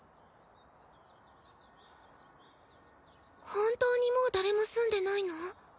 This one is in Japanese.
本当にもう誰も住んでないの？